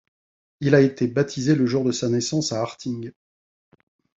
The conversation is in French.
Il a été baptisé le jour de sa naissance à Harting.